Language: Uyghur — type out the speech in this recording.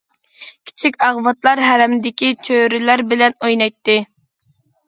كىچىك ئاغۋاتلار ھەرەمدىكى چۆرىلەر بىلەن ئوينايتتى.